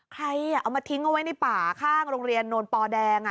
เอามาทิ้งเอาไว้ในป่าข้างโรงเรียนโนนปอแดง